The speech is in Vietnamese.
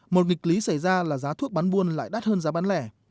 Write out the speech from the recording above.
một nghịch lý xảy ra là giá thuốc bán buôn lại đắt hơn giá bán lẻ